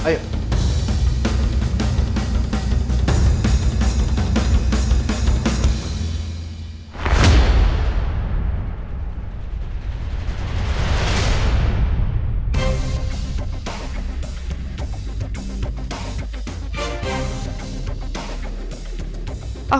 bisa atau tidak